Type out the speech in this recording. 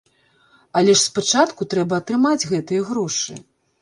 Але ж спачатку трэба атрымаць гэтыя грошы.